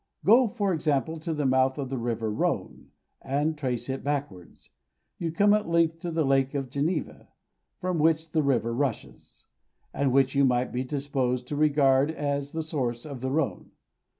Go, for example, to the mouth of the river Rhone, and trace it backwards. You come at length to the Lake of Geneva, from which the river rushes, and which you might be disposed to regard as the source of the Rhone.